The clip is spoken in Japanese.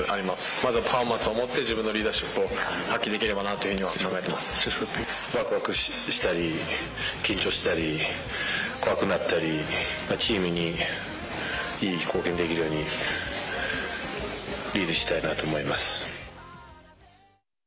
まずパフォーマンスをもって、自分のリーダーシップを発揮できわくわくしたり、緊張したり、怖くなったり、チームにいい貢献できるように、リードしたいなと思います。